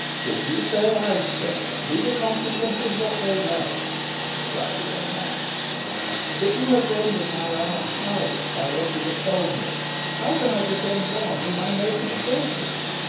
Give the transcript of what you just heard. "If you stay, I stay, be the consequences what they may," replied the young man; "but you have rendered my arm powerless by what you have told me. How can I defend one whom I know to be guilty?"